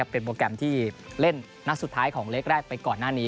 เป็นโปรแกรมที่เล่นนัดสุดท้ายของเล็กแรกไปก่อนหน้านี้